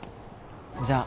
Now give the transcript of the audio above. じゃあ。